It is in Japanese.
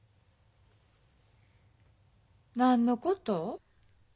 何のこと？